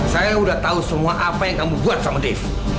saya sudah tahu semua apa yang kamu buat sama dave